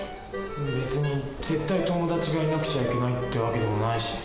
別に「絶対友達がいなくちゃいけない」って訳でもないし。